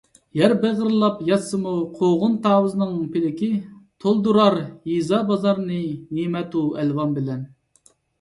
يەر بېغىرلاپ ياتسىمۇ قوغۇن - تاۋۇزنىڭ پىلىكى، تولدۇرار يېزا - بازارنى نىمەتۇ - ئەلۋان بىلەن.